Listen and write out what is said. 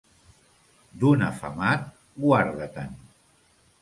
D'un afamat, guarda-te'n.